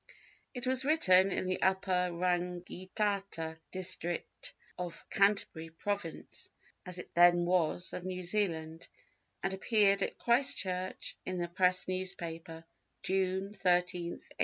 It was written in the Upper Rangitata district of Canterbury Province (as it then was) of New Zealand, and appeared at Christchurch in the Press newspaper, June 13, 1863.